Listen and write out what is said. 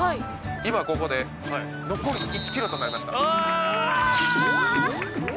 今ここで残り１ｋｍとなりましたおし！